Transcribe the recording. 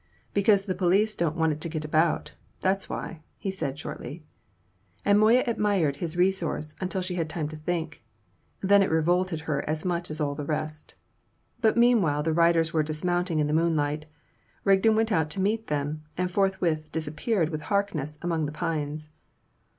"Because the police don't want it to get about. That's why," said he shortly. And Moya admired his resource until she had time to think; then it revolted her as much as all the rest. But meanwhile the riders were dismounting in the moonlight. Rigden went out to meet them, and forthwith disappeared with Harkness among the pines.